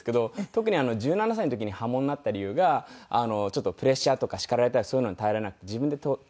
特に１７歳の時に破門になった理由がちょっとプレッシャーとか叱られたりそういうのに耐えれなくて自分で手をケガしてしまって。